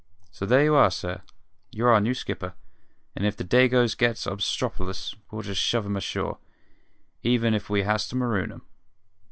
So there you are, sir; you're our new skipper, and if the Dagoes gets obstropolous we'll just shove 'em ashore, even if we has to maroon 'em."